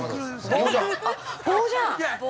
◆棒じゃん。